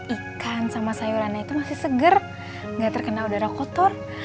ikan sama sayurannya itu masih seger nggak terkena udara kotor